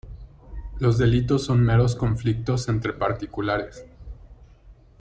Los ´delitos´ son meros conflictos entre particulares.